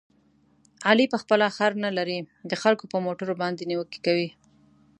علي په خپله خر نه لري، د خلکو په موټرو باندې نیوکې کوي.